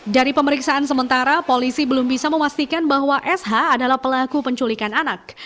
dari pemeriksaan sementara polisi belum bisa memastikan bahwa sh adalah pelaku penculikan anak